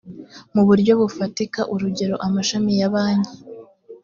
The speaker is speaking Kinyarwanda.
mu buryo bufatika urugero amashami ya banki